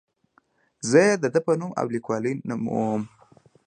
زه یې د ده په نوم او لیکلوالۍ نوموم.